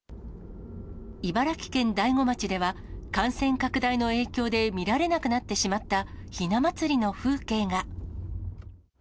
茨城県大子町では、感染拡大の影響で見られなくなってしまったひな祭りの風景が。